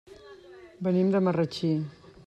Venim de Marratxí.